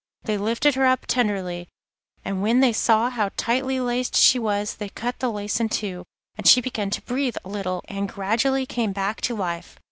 They lifted her up tenderly, and when they saw how tightly laced she was they cut the lace in two, and she began to breathe a little and gradually came back to life.